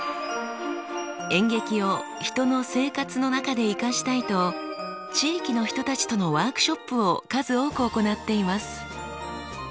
演劇を人の生活の中で生かしたいと地域の人たちとのワークショップを数多く行っています。